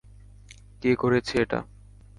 কে করেছে এটা?